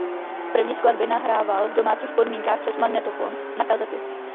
První skladby nahrával v domácích podmínkách přes magnetofon na kazety.